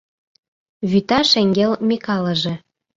Вӱта шеҥгел Микалыже